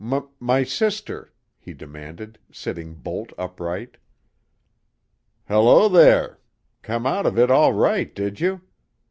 M my sister?" he demanded, sitting bolt upright. "Hello, there! Come out of it all right, did you?"